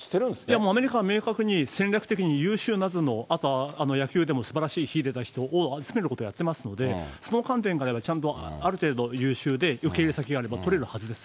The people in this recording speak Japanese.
もうアメリカは明確に、戦略的に優秀な頭脳、あとは野球でもすばらしい、秀でた人を集めることをやってますので、その観点からいえば、ちゃんと、ある程度ゆうしょうで受け入れ先があれば、取れるはずです。